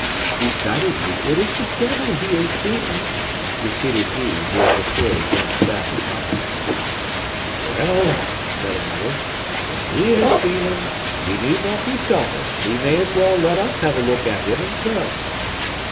"Decidedly, it is the devil he has seen," repeated he who had before advanced that hypothesis. "Well," said another, "if he has seen him, he need not be selfish; he may as well let us have a look at him in turn."